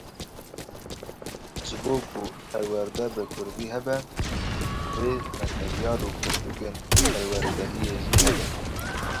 Ji bo ku perwerde bi Kurdî hebe divê meteryal û pirtûkên perwerdehiyê jî hebin.